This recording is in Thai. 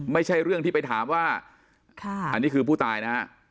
ไม่ใช่เรื่องที่ไปถามว่าอันนี้คือผู้ตายนะฮะ